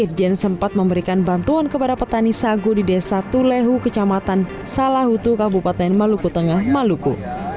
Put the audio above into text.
irjen sempat memberikan bantuan kepada petani sagu di desa tulehu kecamatan salahutu kabupaten maluku tengah maluku